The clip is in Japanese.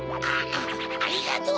ありがとう。